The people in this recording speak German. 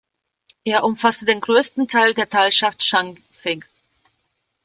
Er umfasste den grössten Teil der Talschaft Schanfigg.